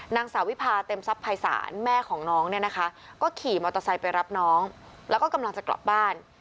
นางสาวิพาเต็มทรัพยศาลแม่ของน้องเนี่ยนะคะก็ขี่มอเตอร์ไซค์ไปรับน้องแล้วก็กำลังจะกลับบ้าน